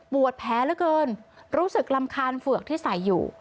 แผลเหลือเกินรู้สึกรำคาญเฝือกที่ใส่อยู่